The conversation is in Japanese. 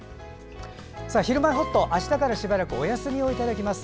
「ひるまえほっと」はあしたからしばらくお休みをいただきます。